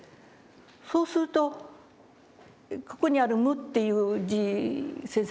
そうするとここにある「無」っていう字先生